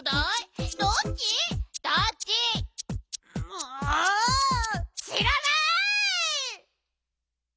もうしらない！